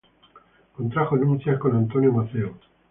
Contrajo nupcias con Antonio Maceo.